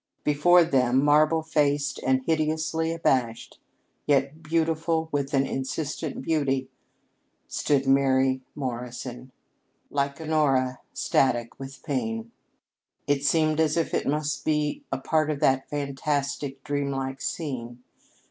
Before them, marble faced and hideously abashed, yet beautiful with an insistent beauty, stood Mary Morrison, like Honora, static with pain. It seemed as if it must be a part of that fantastic, dream like scene.